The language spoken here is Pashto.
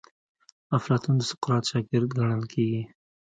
افلاطون د سقراط شاګرد ګڼل کیږي.